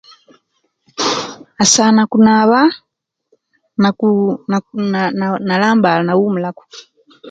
Asaana kunaaba na kuu naku nalambala nawumulaku